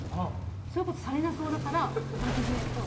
そういうことされなそうだから巻き爪っぽい。